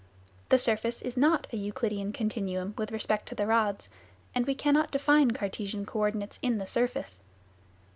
The surface is not a Euclidean continuum with respect to the rods, and we cannot define Cartesian co ordinates in the surface.